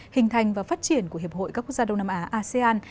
hình thành và phát triển của hiệp hội các quốc gia đông nam á asean